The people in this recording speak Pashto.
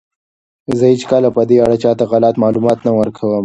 زه هیڅکله په دې اړه چاته غلط معلومات نه ورکوم.